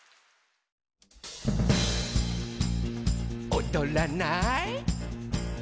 「おどらない？」